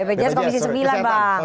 bpjs komisi sembilan bang